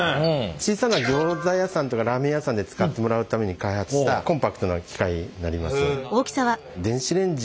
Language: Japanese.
小さなギョーザ屋さんとかラーメン屋さんで使ってもらうために開発したコンパクトな機械になります。